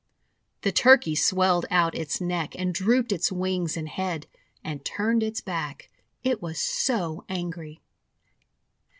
The Turkey swelled out its neck, and drooped its wings and head, and turned its back, it was so angry.